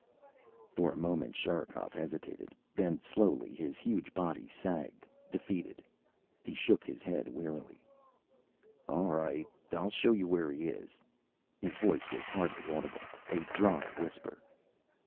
_" For a moment Sherikov hesitated. Then slowly his huge body sagged, defeated. He shook his head wearily. "All right. I'll show you where he is." His voice was hardly audible, a dry whisper.